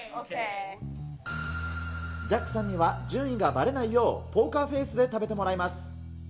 ジャックさんには順位がばれないよう、ポーカーフェースで食べてもらいます。